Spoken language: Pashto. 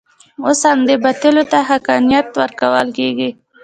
اوس همدې باطلو ته حقانیت ورکول کېږي.